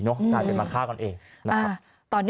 น่าจะมาฆ่ากันเองนะครับ